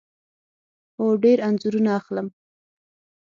هو، ډیر انځورونه اخلم